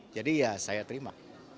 jadi ya saya terima